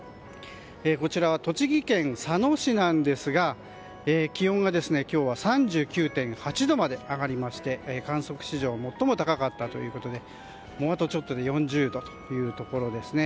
こちらは栃木県佐野市なんですが気温が今日は３９．８度まで上がりまして観測史上最も高かったということであとちょっとで４０度というところですね。